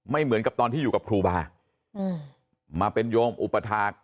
เหมือนกับตอนที่อยู่กับครูบามาเป็นโยมอุปถาค